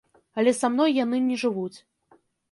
Але са мной яны не жывуць.